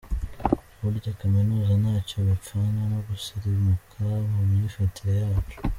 Burya kuminuza ntacyo bipfana no gusirimuka mu myifatire yacu.